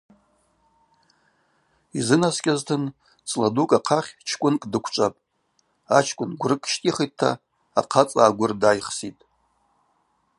Йзынаскӏьазтын – цӏла дукӏ ахъахь чкӏвынкӏ дыквчӏвапӏ, ачкӏвын гврыкӏ щтӏихитӏта ахъацӏа агвыр дайхситӏ.